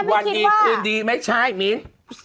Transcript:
วันดีคืนดีไม่ใช่มิ้น